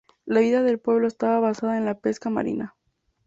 La vida del pueblo estaba basada en la pesca marina.